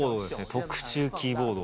特注キーボード。